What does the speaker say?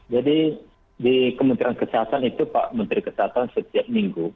jadi di kementerian kesehatan itu pak menteri kesehatan setiap minggu